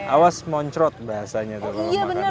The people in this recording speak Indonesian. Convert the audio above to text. awas moncrot bahasanya kalau makan gini